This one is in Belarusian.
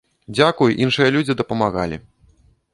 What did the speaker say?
Дзякуй, іншыя людзі дапамагалі!